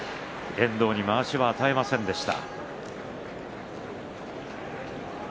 遠藤にまわしを与えませんでした。